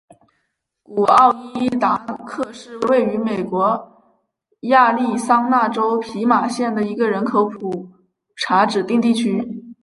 古奥伊达克是位于美国亚利桑那州皮马县的一个人口普查指定地区。